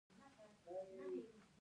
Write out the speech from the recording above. د پکتیکا په ارګون کې د کرومایټ نښې شته.